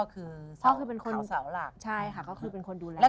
ก็คือเป็นควรดูแล